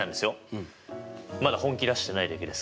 まだ本気出してないだけですから。